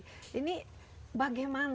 jadi kita harus mengingatkan